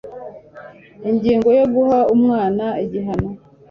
Ingingo ya Guha umwana igihano